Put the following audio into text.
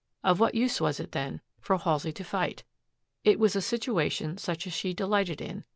Of what use was it, then, for Halsey to fight! It was a situation such as she delighted in.